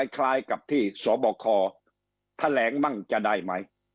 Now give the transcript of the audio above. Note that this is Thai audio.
คล้ายกับที่สอบบ่อคอแถลงบ้างจะได้ไหม